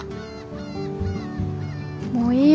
もういいよ